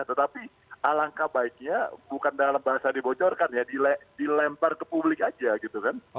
tetapi alangkah baiknya bukan dalam bahasa dibocorkan ya dilempar ke publik aja gitu kan